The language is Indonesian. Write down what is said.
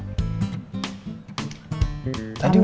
tadi udah kacang hijau